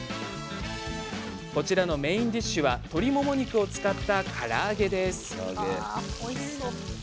こちらのメインディッシュは鶏もも肉を使った、から揚げです。